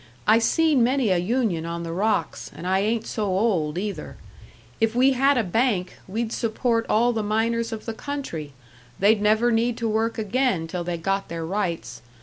I seen many a union on the rocks and I ain't so old either! If we had a bank, we'd support all the miners of the country, they'd never need to work again till they got their rights.